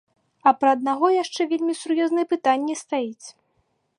А пра аднаго яшчэ вельмі сур'ёзнае пытанне стаіць.